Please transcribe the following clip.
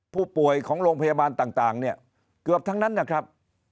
ผู้ป่วยของโรงพยาบาลต่างเนี่ยเกือบทั้งนั้นนะครับ